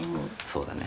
そうだね。